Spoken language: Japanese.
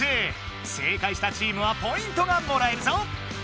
正解したチームはポイントがもらえるぞ。